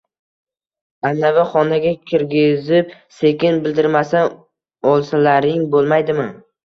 Ana-vi xonaga kirgizib, sekin bildirmasdan olsalaring bo`lmaydimi